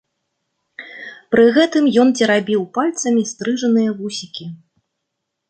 Пры гэтым ён церабіў пальцамі стрыжаныя вусікі.